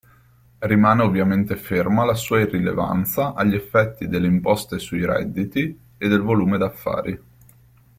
Rimane ovviamente ferma la sua irrilevanza agli effetti delle imposte sui redditi e del volume d'affari.